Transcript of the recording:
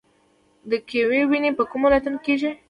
د کیوي ونې په کومو ولایتونو کې کیږي؟